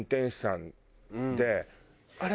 「あれ？